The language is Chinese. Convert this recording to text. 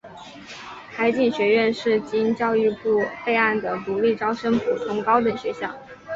海警学院是经教育部备案的独立招生普通高等学校。